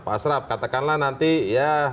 pak asrab katakanlah nanti ya